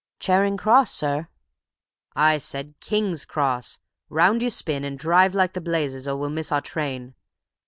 "Charing Cross, sir." "I said King's Cross! Round you spin, and drive like blazes, or we miss our train!